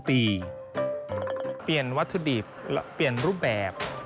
เปลี่ยนวัตถุดิบเปลี่ยนรูปแบบ